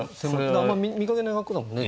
あんま見かけない格好だもんね。